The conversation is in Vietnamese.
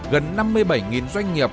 gần năm mươi bảy doanh nghiệp